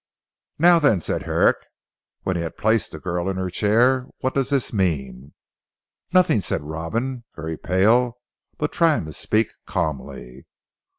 "Now then!" said Herrick, when he had placed the girl in her chair, "what does this mean?" "Nothing," said Robin very pale but trying to speak calmly.